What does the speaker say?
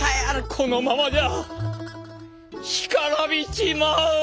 このままじゃ干からびちまう！